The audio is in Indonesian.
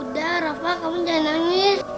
udah rafa kamu jangan nangis